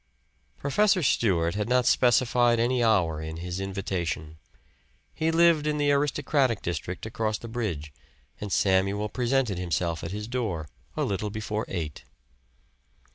Professor Stewart had not specified any hour in his invitation. He lived in the aristocratic district across the bridge and Samuel presented himself at his door a little before eight.